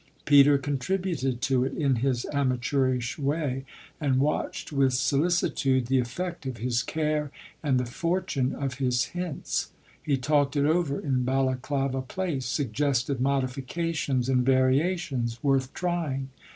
Peter contributed to it in his amateurish way and watched with solicitude the effect of his care and the fortune of his hints. He talked it over in Balaklava Place, suggested modifications and variations worth trying.